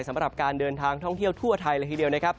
สำหรับการเดินทางท่องเที่ยวทั่วไทยเลยทีเดียวนะครับ